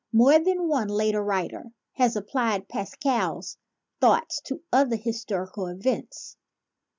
More than one later writer has applied Pas cal's thought to other historical events.